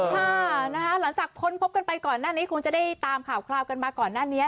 ค่ะนะคะหลังจากพ้นพบกันไปก่อนหน้านี้คงจะได้ตามข่าวคราวกันมาก่อนหน้านี้